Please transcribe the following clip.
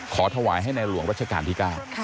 ถวายให้ในหลวงรัชกาลที่๙